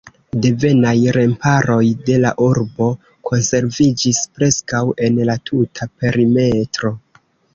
Devenaj remparoj de la urbo konserviĝis preskaŭ en la tuta perimetro.